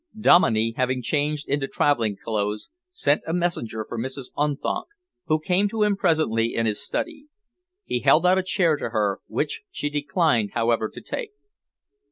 Dominey, having changed into travelling clothes, sent a messenger for Mrs. Unthank, who came to him presently in his study. He held out a chair to her, which she declined, however, to take.